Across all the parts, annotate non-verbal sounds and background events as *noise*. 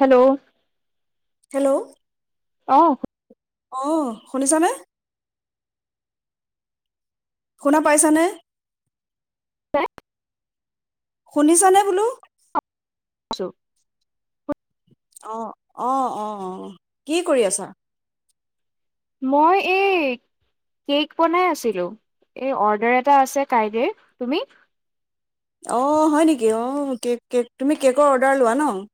Hello hello অহ অ শুনিছানে শুনা পাইছানে ত শুনিছানে বোলো। চো অ অ অ কি কৰি আছা? মই এই কেক বনাই আছিলো এই অৰ্ডাৰ এটা আছে কাইলৈ তুমি? অ হয় নেকি অ কেক কে তুমি কেকৰ অৰ্ডাৰ লোৱা ন?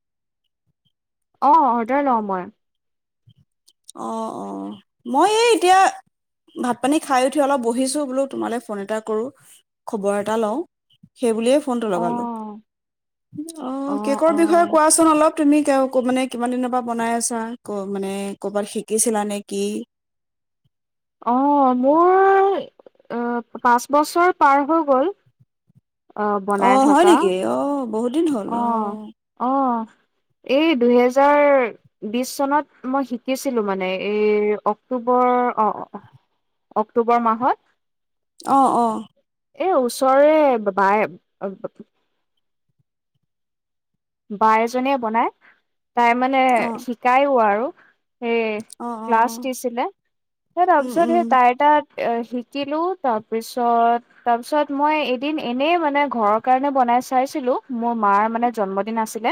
অ অৰ্ডাৰ লওঁ মই। অ অ মই এই এতিয়া ভাত পানী খাই উঠি অলপ বহিছো বোলো তোমালে ফোন এটা কৰো খবৰ এটা লওঁ। সেই বুলিয়ে ফোনটো অ লগালো, অ কেকৰ বিষয়ে কোৱাচোন অলপ তুমি ক মানে কিমান দিনৰ পৰা বনাই আছা ক মানে কৰ'বাত শিকিছিলা নে কি অ মোৰ পাঁচ বছৰ পাৰ হৈ গ'ল অ বনাই হয় থকা। নেকি অ বহুত দিন হ'ল অ অহ এই দুহেজাৰ বিশ চনত মই শিকিছিলো মানে এই অক্টোবৰ অক্টোবৰ মাহত অ অ এ ওচৰৰে বাই বা এজনীয়ে বনাই তাই মানে অ শিকায়ও আৰু। সেই অ ক্লাছ অ দিছিলে ত উম তাৰপিছত সেই উম তাই তাত এ শিকিলো তাৰপিছত তাৰ পিছত মই এদিন এনেই মানে ঘৰৰ কাৰণে বনাই চাইছিলো, মোৰ মাৰ মানে জন্ম দিন আছিলে,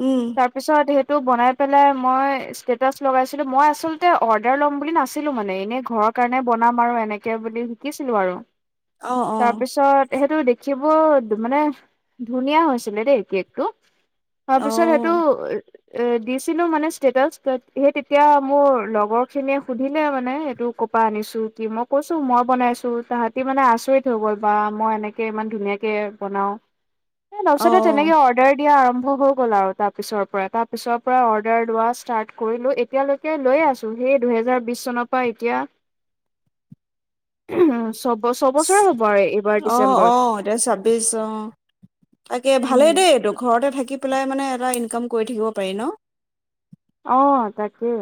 উম তাৰপিছত সে বনাই পেলাই মই ষ্টেটচ লগাইছিলো মই আচলতে অৰ্ডাৰ ল'ম বুলি নাছিলো মানে এনে ঘৰত কাৰণে বনাম আৰু এনেকে বুলি শিকিছিলো আৰু। অ অ তাৰপিছত সেইটো দেখিব মানে ধুনীয়া হৈছিলে দেই কেক টো তাৰ অ পিছত সেইটো এ দিছিলো মানে ষ্টেটাচ সেই তেতিয়া মোৰ লগৰ খিনিয়ে সুধিলে মানে এইটো আনিছো কি মই কৈছো মই বনাইছো তাহাঁতি মানে আচৰিত হৈ গল বা মই এনেকে ইমান ধুনীয়াকে বনাও। *inaudible* নচতে তেনেকে আ এয়া আৰম্ভ হৈ গ'ল আৰু তাৰ পিছৰ পৰা তাৰ পিছৰ পৰা অৰ্ডাৰ লোৱা ষ্টাৰ্ট কৰিলো এতিয়ালৈকে লৈ আছো সেই দুহেজাৰ বিশ চনৰ পৰা এতিয়া *inaudible* উ চব ছবছৰে হ'ব আৰু এইবাৰ অ ডিচেম্বৰত। এতিয়া ছাব্বিশ অ তাকে ভালেই উম দেইটো ঘৰতে থাকি পেলাই মানে এটা ইনকাম কৰি থাকিব পাৰি ন? অহ, তাকে।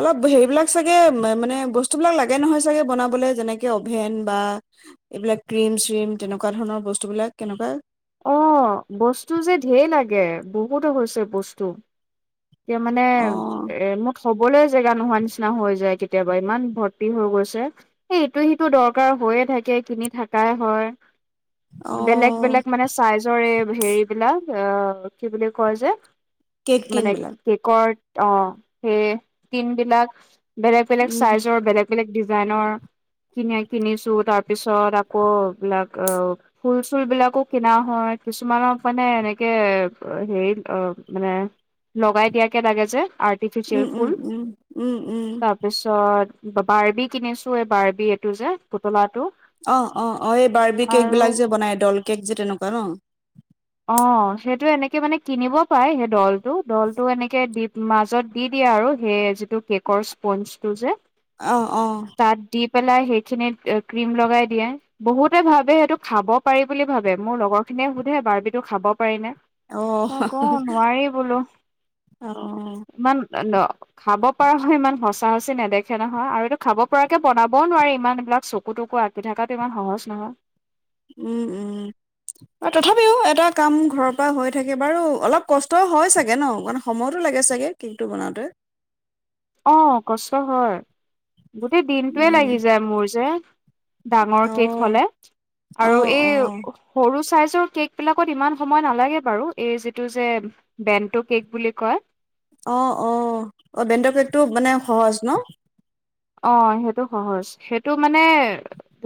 অলপ হেৰিবিলাক চাগে মানে বস্তুবিলাক লাগে নহয় চাগে বনাবলৈ যেনেকে অভেন বা এইবিলাক ক্ৰীম -চ্ৰীম তেনেকুৱা ধৰণৰ বস্তুবিলাক কেনেকুৱা অহ বস্তু যে ধেঢ় লাগে বহুত হৈ গৈছে বস্তু এ' মানে অ এ' মোকচ থবলৈ জেগা নোহোৱা নিচিনা হৈ যায় কেতিয়াবা ইমান ভৰ্তি হৈ গৈছে, এই ইটো- সিটো দৰকাৰ কৈয়ে থাকে কিনি থাকাই হয়। অ বেলেগ -বেলেগ মানে চাইজৰ এই হেৰিবলাক আহ কি বুলি কয় যে কেক টিন মানে বিলাক কেকৰ অহ সেই তিন বিলাক বেলেগ- বেলেগ উম চাইজৰ বেলেগ -বেলেগ ডিজাইনৰ কিনা- কিনিছো তাৰ পিছত আকৌ বিলাক অ', ফুল -চুল বিলাকো কিনা হয় কিছুমানক মানে এনেকে হেৰিত অহ' মানে লগাই দিয়াকে লাগে যে আৰ্টিফিচিয়েল উম উম ফুল উম উম উম তাৰপিছত বাৰ্বি কিনিছো। এই বাৰ্বি এইটো যে পুতলাত অহ - অহ -অহ এই বাৰ্বি-কেক বিলাক যে বনাই দল -কেক যে তেনেকুৱা ন'। অহ, সেইটো এনেকে মানে কিনিব পাই সেই দলটো দলটো এনেকে দি মাজত দি দিয়ে আৰু। এই যিটো কেক'ৰ স্পন্সতো যে অ অ তাত দি দি পেলাই সেইখিনিত ক্ৰীম লগাই দিয়ে। বহুতে ভাবে সেইটো খাব পাৰি বুলি ভাবে মোৰ লগৰ খিনি নে সুধে বাৰ পাৰি নে অ মই কওঁ নোৱাৰি বোলো অ ইমান ন' খাব পৰা হয় ইমান সঁচা -সচি নেদেখে নহয় আৰু এইটো খাব পৰাকে বনাবও নোৱাৰি ইমান এইবিলাক চকু- তকু আঁকি থাকাটো ইমান সহজ নহয় উম -উম আৰু তথাপিও এটা কাম ঘৰৰ পৰা হৈ থাকে বাৰু অলপ কষ্টও হয় চাগে ন' মানে সময়তো লাগে চাগে কেক টো বনাওঁতে? অহ, কষ্ট হয় গোটেই দিনটোৱে লাগি উম যায় মোৰ যে। ডাঙৰ অ', কে'ক হলে আৰু অ', এই অ', সৰু চাইজ কে'ক বিলাকত ইমান সময় নালাগে বাৰু এই যিটো যে বেনটো কে'ক বুলি কয়। অহ -অহ -অহ বেনটো কে'কটো মানে সহজ ন'? অহ, সেটো সহজ সেটো মানে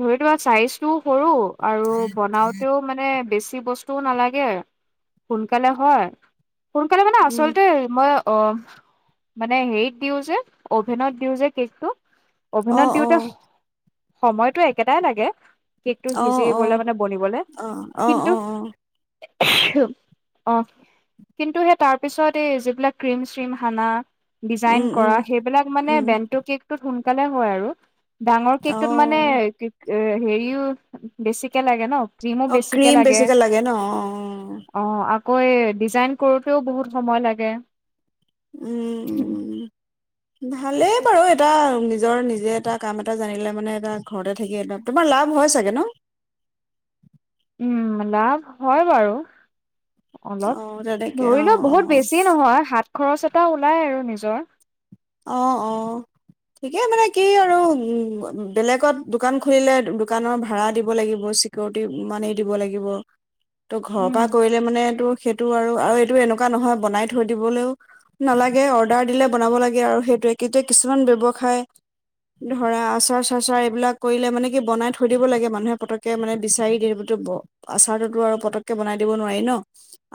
ধৰিলোৱা চাইজটো সৰু আৰু বনাওঁতেও মানে বেছি বস্তুও নালাগে সোনকালে হয় সোনকালে মানে উম আচলতে ম অহ, মানে হেৰিত দিও যে অভেনত দিওঁ যে কেকটো অভেনত অ', দিওঁতে অ', সময়তো একেটাই লাগে কেকটো অ', সিজিবলে অ', মানে বনিবলে অ', অ', কিন্তু অ', অ', *unintelligible* অ', কিন্তু সেই তাৰ পিছত এই যিবিলাক ক্ৰীম- চ্ৰীম হানা ডিজাইন উম, উম, কৰা সেইবিলাক মানে উম, বেণ্টো কেকটোত সোনকালে হয় আৰু। ডাঙৰ কেকটোত মানে অ', *unintelligible* হেৰিও বেছি লাগে ন' ক্ৰীমো বেছিকে লাগে অ', আকৌ আকৌ এ' ডিজাইন কৰোঁতেও বহুত সময় লাগে। উম - উম ভালেই বাৰু এটা নিজৰ নিজে এটা কাম এটা জানিলে মানে এটা ঘৰতে থাকি তোমাৰ লাভ হয় চাগে ন'? উম, লাভ হয় বাৰু। অলপ অ', তেনেকে অ', ধৰিলোও বহুত অ', বেছি নহয় হাত খৰচ এটা ওলাই আৰু নিজৰ। অহ - অহ ঠিকে মানে কি আৰু উম বেলেগত দোকান খুলিলে দোকানৰ ভাড়া দিব লাগিব চিকৰিটি মানি দিব লাগিব ত' ঘৰৰ উম পৰা কৰিলে মানে তোৰ সেইটো আৰু আৰু এইটো এনেকুৱা নহয় বনাই থৈ দিবলৈও নালাগে অৰ্ডাৰ দিলে বনাব লাগে আৰু সেইটোযাৰ তেতিয়া কিছুমান ব্যৱসায় ধৰা আচাৰ চাচাৰ এইবিলাক কৰিলে মানে কি বনাই থৈ দিব লাগে মানুহে পতককে মানে বিচাৰি দ আচাৰটোতো আৰু পতককে বনাই দিব নোৱাৰি ন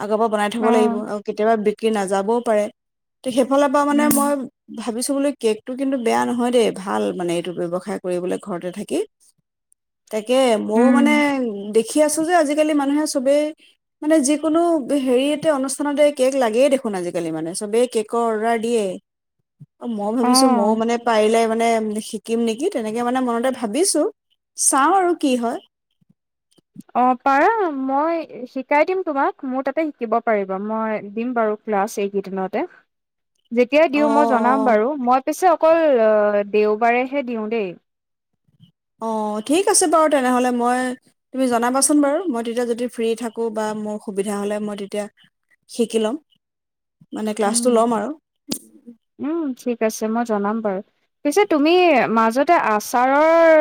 আগৰ পৰা বনাই থ'ব অ লাগিব আৰু কেতিয়াবা বিক্ৰী নাযাবও পাৰে ত সেইফালৰ পৰা মানে উম মই ভাবিছো বোলে কেকটো কিন্তু বেয়া নহয় দেই ভাল মানে এইটো ব্যৱসায় কৰিবলে ঘৰতে থাকি তাকে মই উম মানে দে দেখি আছো যে আজিকালি মানুহে চবে মানে যিকোনো হেৰি এতে অনুষ্ঠানতে কেক লাগিয়ে দেখ ন আজিকালি মানে চবেই কেকৰ অৰ্ডাৰ দিয়ে অ মই ভাবিছো অ মইও মানে পাৰিলে মানে শিকিম নেকি তেনেকে মানে মনতে ভাবিছো চাওঁ আৰু কি হয় অ পাৰা মই শিকাই দিম তোমাক মোৰ তাতে শিকিব পাৰিব মই দিম বাৰু ক্লাছ সেই কেইদিনতে *unintelligible* যেতিয়াই অ দিওঁ মই জনাম বাৰু মই পিছে অকল দেওবাৰেহে দিওঁ দেই অ ঠিক আছে বাৰু তেনেহ'লে মই তুমি জনাবাচোন বাৰু মই তেতিয়া যদি ফ্ৰী থাকোঁ বা মই সুবিধা হলে শিকি লম। মানে ক্লাছটো উম ল'ম আৰু উম ঠিক আছে মই জনাম বাৰু পিছে তুমি ম তে আচাৰৰ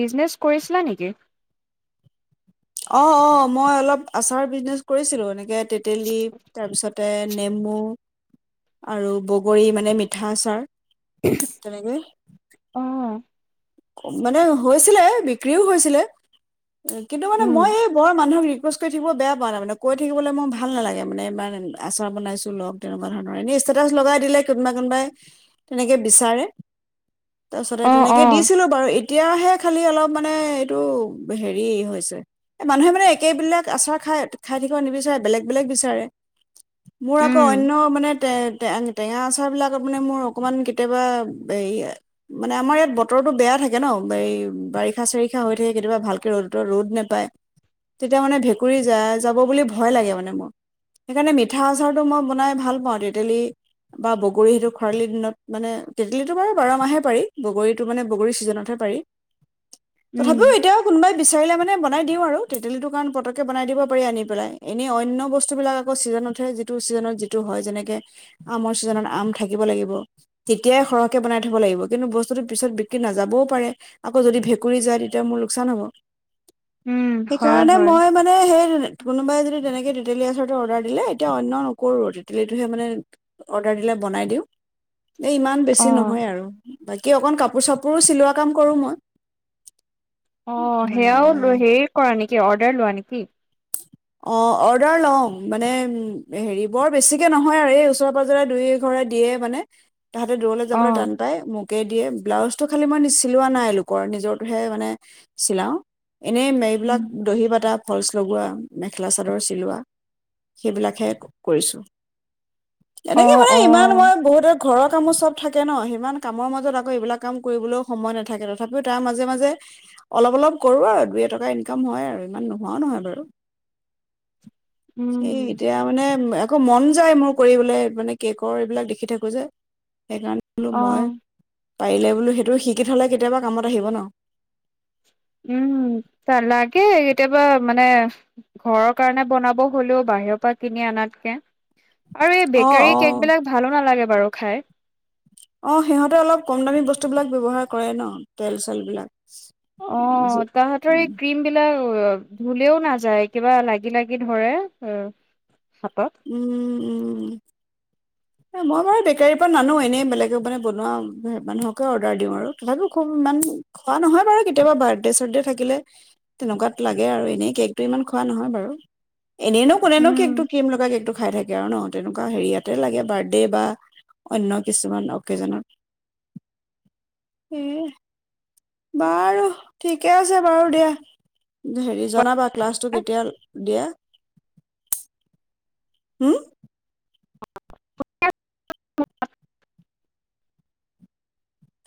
বিজনেছ কৰিছিলা নেকি অ অ মই অলপ আচাৰ বিজনেচ কৰিছিলো এনেকে তেতেলী তাৰপিছতে নেমু আৰু বগৰী মানে মিঠা আচাৰ তেনেকে অ মানে হৈছিলে বিক্ৰীও হৈছিলে কিন্তু মানে উম মই এই বৰ মানুহ কৈ থাকিব বেয়া পোৱা নাই মানে কৈ থাকিবলৈ মই ভাল নালাগে মানে ইমান আচাৰ বনাইছো লগ তেনেকুৱা ধৰণৰ এনেই ষ্টেটাচ লগাই দিলে কোনোবা কোনোবাই তেনেকে বিচাৰে তাৰপিছতে অ তেনেকে অ দিছিলো বাৰু এতিয়াহে খালি অলপ মানে এইটো হেৰি হৈছে মানুহে মানে একেবিলাক আচাৰ খ খাই থাকিব নিবিচাৰে বেলেগ বেলেগ বিচাৰে মোৰ আকৌ উম অন্য মানে টেঙা আচাৰ বিলাক মানে মোৰ অকমান কেতিয়াবা মানে আমাৰ ইয়াত বতৰটো বেয়া থাকে ন এই বাৰিষা চাৰিষা হৈ থাকে কেতিয়াবা ভালকে ৰ'দ ৰ'দ নেপায় তেতিয়া মানে ভেঁকুৰী যা যাব বুলি ভয় লাগে মানে মোৰ সেইকাৰণে মিঠা আচাৰটো মই বনাই ভাল পাওঁ তেতেলি বা বগৰী সেইটো খৰালি দিনত মানে তেতেলী টো বাৰু বাৰ মাহে পাৰি বগৰীত বগৰী টো ছিজনত হে পাৰি। উম তথাপিও এতিয়া কোনোবাই বিচাৰিলে মানে। বনাই দিওঁ আৰু তেতেলীটো কাৰণ পতকে বনাই দিব পাৰি আনি পেলাই এনেই অন্য বস্তু বিিলাক আকৌ চিজনতহে টো ছিজনত যিটো হয় যেনেকে আমৰ ছিজনত আম থাকিব লাগিব তেতিয়াই সৰহকে বনাই থব লাগিব কিন্তু বস্তুটো পিছত বিক্ৰী নাযাবও পাৰে আকৌ যদি ভেকুুৰী যায় তেতিয়া মোৰ লোকচান হ'ব উম হয় সেইকাৰণে হয় মই মানে সেই কোনোবাই যদি তেনেকে তিতেলীৰ আচৰটো অৰ্ডাৰ দিলে এতিয়া অন‍্য নকৰো তিতেলীটোহে মানে অৰ্ডাৰ দিলে বনাই দিওঁ ইমান অ বেছি নহয় আৰু বা কি অকন কাপোৰ চাপোৰ চিলোৱা কাম কৰো মই অ মানে সেয়াও হেৰি কৰা নেকি অৰ্ডাৰ লোৱা নেকি অ অৰ্ডাৰ লও মানে হেৰি বৰ বেছিকে নহয় আৰু এই ওচৰে পাজৰে দুই এঘৰে দিয়ে মানে তাহাঁতে দূৰলৈ অ যাবলৈ টান পাই মোক মোক দিয়ে ব্লাউজটো খালি মই চিলোৱা নাই লোকৰ নিজৰটোহে মানে চিলাও এনেই মেৰিবিলাক উম দহি বটা ফলচ লগোৱা মেখেলা চাদৰ চিলোৱা সেইবিলাকহে কৰিছোঁ অ এনেকে মানে অ ইমান মই বহুতত ঘৰৰ কামো চব থাকে ন সিমান কামৰ মাজত আকৌ এইবিলাক কাম কৰিবলৈও সময় নাথাকে তথাপিও তাৰ মাজে মাজে অলপ অলপ কৰো আৰু দুই এটকা ইনকাম হয় আৰু ইমান নোহোৱাও নহয় বাৰু সেই উম এতিয়া মানে আকৌ মন যায় মোৰ কৰিবলৈ মানে কেকৰ এইবিলাক দেখি থাকো যে সেইকাৰণে বোলো মই অ' পাৰিলে বোলো সেইটো শিকি থ'লে কেতিয়াবা কামত আহিব ন উম লাগে কেতিয়াবা মানে ঘৰৰ কাৰণে বনাব হলেও বাহিৰৰ পৰা কিনি আনাত কে আৰু এই অ বেকাৰী অ কেক বিলাক ভালো নালাগে বাৰু খাই অ সিহঁতে অলপ কম দামী বস্তু বিলাক ব্যৱহাৰ কৰে ন তেল চেল বিলাক অ তাহতৰ উম এই ক্ৰীম বিলাক ধুলেও নাযায় কিবা লাগি লাগি ধৰে হাতত উম উম মই বাৰু বেকাৰীৰ পৰা নানো এনেই বেলেগক মানে বনোৱা মানুহকে অৰ্ডাৰ দিওঁ আৰু তথাপিও খুব ইমান খোৱা নহয় বাৰু কেতিয়াবা বাৰ্থডে চাৰ্থডে থাকিলে তেনেকুৱাত লাগে আৰু এনেই কেকটো ইমান খোৱা নহয় বাৰু এনেই নো কোনেনো কেকটো উম ক্ৰীম লগাই কেকটো খাই থাকে আৰু ন তেনেকুৱা হেৰি লাগে বাৰ্থডে বা অন্য কিছুমান অকেজনত উম বাৰু ঠিকে আছে বাৰু দিয়া হেৰি জনাবা ক্লাছটো কেতিয়া দিয়া হম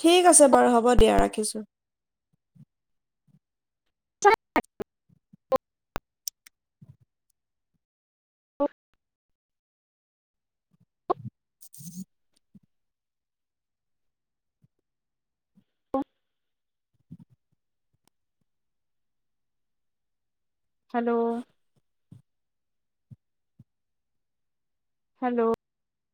ঠিক আছে বাৰু হ'ব দিয়া ৰাখিছোঁ *unintelligible* *unintelligible* হেল্ল' হেল্ল'